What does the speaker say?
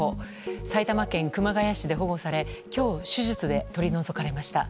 埼玉県熊谷市で保護され今日、手術で取り除かれました。